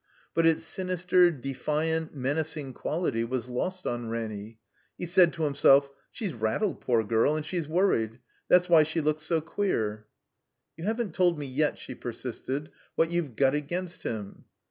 But its sinister, defiant, menacing qtiality was lost on Ranny. He said to himself: "She's rattled, poor girl; and she's worried. That's why she lool^ so queer." *'You haven't told me yet," she persisted, "what you've got against him."